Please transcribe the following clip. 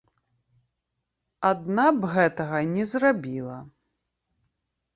Адна б гэтага не зрабіла.